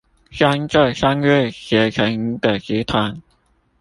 將這三位結成一個集團